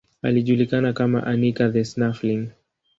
Alijulikana kama Anica the Snuffling.